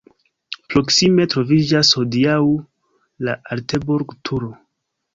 Proksime troviĝas hodiaŭ la Alteburg-turo.